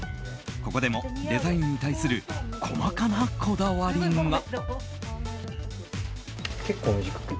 ここでもデザインに対する細かなこだわりが。